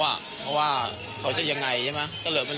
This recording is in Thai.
เพราะว่าเขาจะยังไงใช่ไหม